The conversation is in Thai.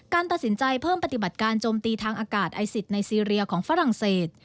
ตัดสินใจเพิ่มปฏิบัติการโจมตีทางอากาศไอซิสในซีเรียของฝรั่งเศส